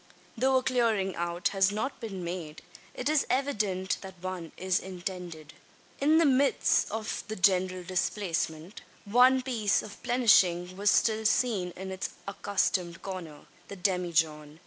Though a clearing out has not been made, it is evident that one is intended. In the midst of the general displacement, one piece of plenishing was still seen in its accustomed corner the demijohn.